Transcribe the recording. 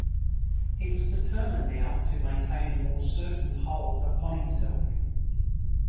He was determined now to maintain a more certain hold upon himself.